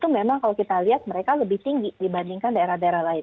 memang kalau kita lihat mereka lebih tinggi dibandingkan daerah daerah lain